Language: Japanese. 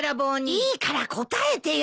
いいから答えてよ。